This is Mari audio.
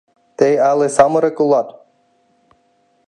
— Тый але самырык улат!